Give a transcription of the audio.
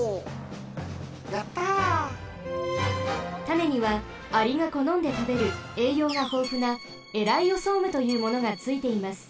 たねにはアリがこのんでたべるえいようがほうふなエライオソームというものがついています。